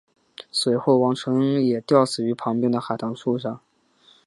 随后王承恩也吊死于旁边的海棠树上。